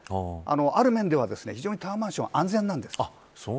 ある面では非常にタワーマンションは安全なんです。